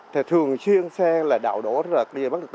thì thường xuyên xe là đạo đổ rất là tiên bắc